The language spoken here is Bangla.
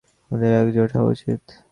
আমাদের একজোট হওয়া উচিত।